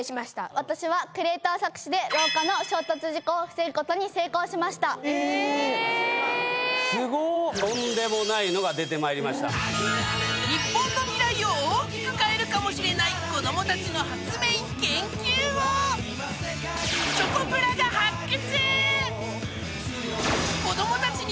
私はクレーター錯視で廊下の衝突事故を防ぐことに成功しました日本の未来を大きく変えるかもしれない子どもたちの発明研究をチョコプラが発掘！